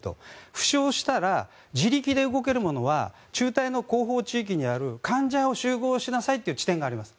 負傷をしたら自力で動けるものは中隊の後方地点にある患者集合点という地点があります。